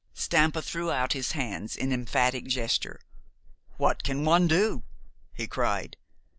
Stampa threw out his hands in emphatic gesture. "What can one do?" he cried.